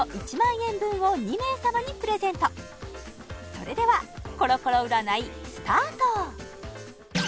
それではコロコロ占いスタート